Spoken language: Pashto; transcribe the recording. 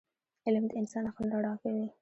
علم د انسان عقل رڼا کوي.